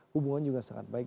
hubungan juga sangat baik